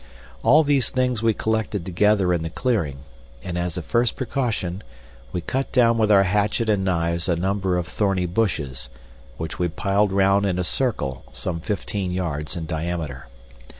All these things we collected together in the clearing, and as a first precaution, we cut down with our hatchet and knives a number of thorny bushes, which we piled round in a circle some fifteen yards in diameter.